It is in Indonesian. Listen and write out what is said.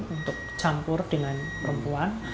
untuk campur dengan perempuan